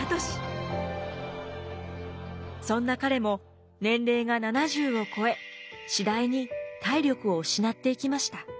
そんな彼も年齢が７０を超え次第に体力を失っていきました。